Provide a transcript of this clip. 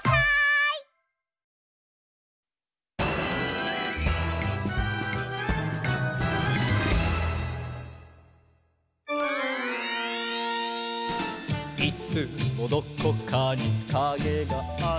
「いつもどこかにカゲがある」